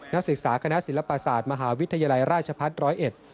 นักศึกษาคณะศิลปศาสตร์มหาวิทยาลัยราชพัฒน์ร้อยเอ็ด